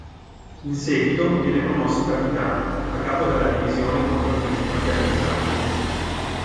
In seguito viene promosso capitano, a capo della divisione contro il crimine organizzato.